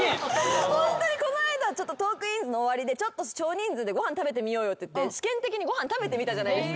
ホントにこの間『トークィーンズ』の終わりで少人数でご飯食べてみようよって言って試験的にご飯食べてみたじゃないですか。